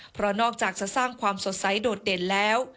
เพราะนอกจากจะสร้างความสดใสโดดเด่นแล้ว